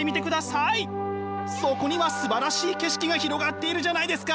そこにはすばらしい景色が広がっているじゃないですか！